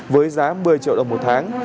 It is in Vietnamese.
với giá một mươi triệu đồng một tháng